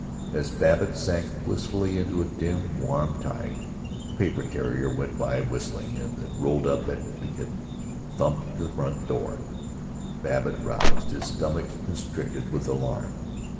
As Babbitt sank blissfully into a dim warm tide, the paper carrier went by whistling, and the rolled up Advocate thumped the front door. Babbitt roused, his stomach constricted with alarm.